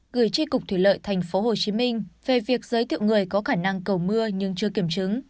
gửi tri cục thủy lợi thành phố hồ chí minh về việc giới thiệu người có khả năng cầu mưa nhưng chưa kiểm chứng